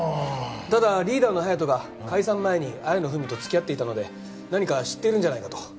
ただリーダーの隼人が解散前に綾野文と付き合っていたので何か知っているんじゃないかと。